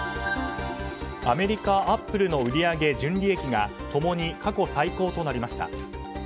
アメリカ、アップルの売り上げ、純利益が共に過去最高となりました。